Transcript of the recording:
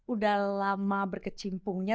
udah lama berkecimpungnya